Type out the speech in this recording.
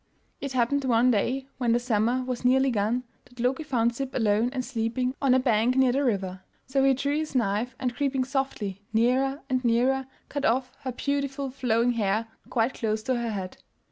It happened one day when the summer was nearly gone that Loki found Sib alone and sleeping on a bank near the river, so he drew his knife, and creeping softly nearer and nearer, cut off her beautiful flowing hair quite close to her head.